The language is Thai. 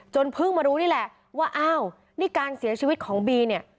เพิ่งมารู้นี่แหละว่าอ้าวนี่การเสียชีวิตของบีเนี่ย